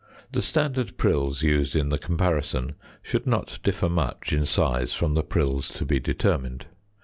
The standard prills used in the comparison should not differ much in size from the prills to be determined.